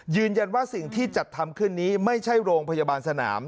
ยืนยันว่าสิ่งที่จัดทำขึ้นนี้ไม่ใช่โรงพยาบาลสนาม